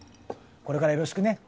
これからよろしくね。